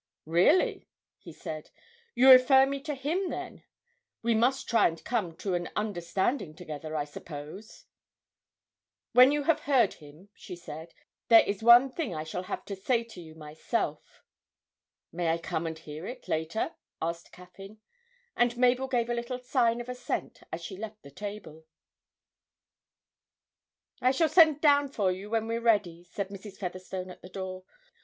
'Really?' he said. 'You refer me to him, then? We must try and come to an understanding together, I suppose.' 'When you have heard him,' she said, 'there is one thing I shall have to say to you myself.' 'May I come and hear it later?' asked Caffyn, and Mabel gave a little sign of assent as she left the table. 'I shall send down for you when we're ready,' said Mrs. Featherstone at the door.